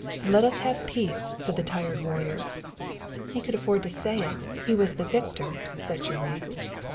Let us have peace, said the tired warrior." "He could afford to say it; he was the victor," said Shirley.